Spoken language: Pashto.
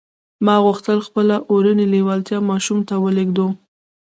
ما غوښتل خپله اورنۍ لېوالتیا ماشوم ته ولېږدوم